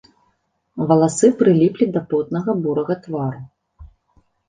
Валасы прыліплі да потнага бурага твару.